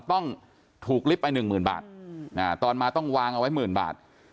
ต้องถูกลิบไป๑๐๐๐๐บาทตอนมาต้องวางเอาไว้๑๐๐๐๐บาท